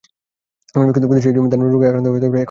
কিন্তু সেই জমির ধান রোগে আক্রান্ত হওয়ায় এখন খরচ ওঠাই দায়।